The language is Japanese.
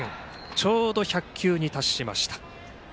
ちょうど１００球に達しました。